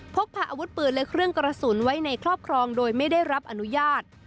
พกพาอาวุธปืนและเครื่องกระสุนไว้ในครอบครองโดยไม่ได้รับอนุญาต